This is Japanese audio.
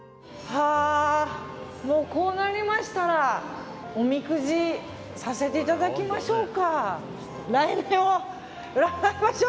もうこうなりましたらおみくじさせていただきましょうか。